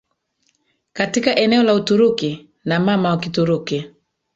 katika eneo la Uturuki na mama wa Kituruki